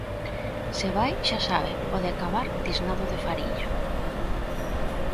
Se vai, xa sabe, pode acabar tisnado de fariña.